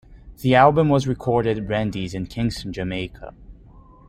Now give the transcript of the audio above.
The album was recorded at Randy's in Kingston, Jamaica.